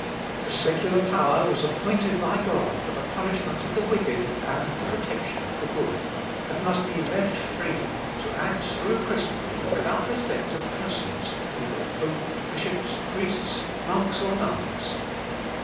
The secular power was appointed by God for the punishment of the wicked and the protection of the good, and must be left free to act throughout Christendom without respect of persons, be they pope, bishops, priests, monks, or nuns.